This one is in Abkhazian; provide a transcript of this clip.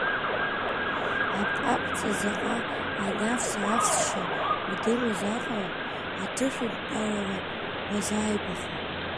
Аԥҟаԥҵа заҟа анавс-аавсшьа удыруаз аҟара, аҭышәынтәалара уазааигәахон.